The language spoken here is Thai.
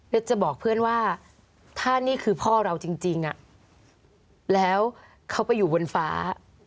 แล้วจะบอกเพื่อนว่าถ้านี่คือพ่อเราจริงแล้วเขาไปอยู่บนฟ้า